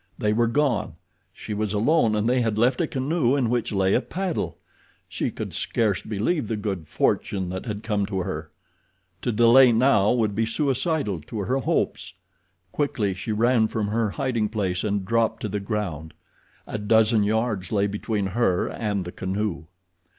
They were gone! She was alone, and they had left a canoe in which lay a paddle! She could scarce believe the good fortune that had come to her. To delay now would be suicidal to her hopes. Quickly she ran from her hiding place and dropped to the ground. A dozen yards lay between her and the canoe.